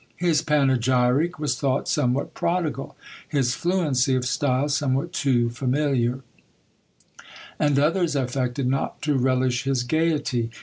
His panegyric was thought somewhat prodigal; his fluency of style somewhat too familiar; and others affected not to relish his gaiety.